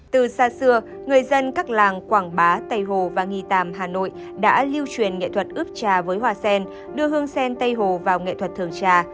từ xa xưa người dân các làng quảng bá tây hồ và nghi tàm hà nội đã lưu truyền nghệ thuật ướp trà với hoa sen đưa hương sen tây hồ vào nghệ thuật thường trà